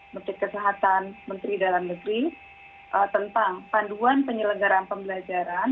menteri kesehatan menteri dalam negeri tentang panduan penyelenggaran pembelajaran